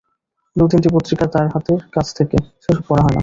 দু-তিনটে পত্রিকা তার হাতের কাছে থাকে, সে-সব পড়া হয় না।